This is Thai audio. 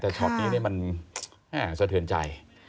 แต่ช็อตนี้มันสะเทือนใจ